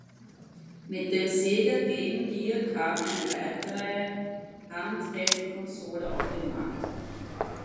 Mit dem Sega Game Gear kam eine weitere „Handheld“-Konsole auf den Markt.